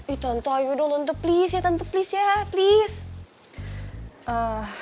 ih tante ayo dong tante please ya tante please ya please